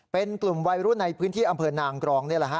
เป็นกลุ่มวัยรุ่นในพื้นที่อำเภอนางกรองนี่แหละฮะ